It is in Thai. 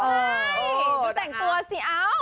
ใช่พี่แต่งตัวสิเอ้า